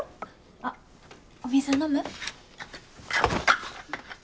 あっお水う飲む？